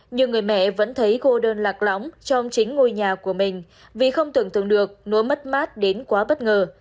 nhưng người mẹ vẫn thấy cô đơn lạc lõng trong chính ngôi nhà của mình vì không tưởng tượng được núa mất mát đến quá bất ngờ